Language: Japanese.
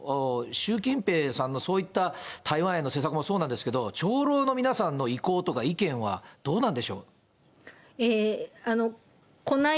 習近平さんのそういった台湾への政策もそうなんですけど、長老の皆さんの意向とか意見はどうなんでしょう。